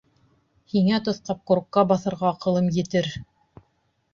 Һиңә тоҫҡап курокҡа баҫырға аҡылым етер!